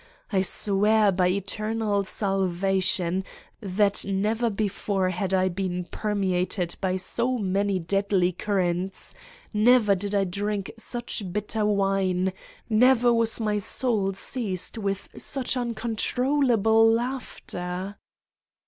I swear by eternal salvation that never before had I been permeated by so many deadly currents, never did I drink such bitter wine, never was my soul seized with such uncon trollable laughter!